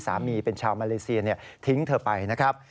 เป็นชาวมาเลเซียทิ้งเธอไปนะครับ